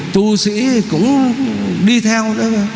tu sĩ cũng đi theo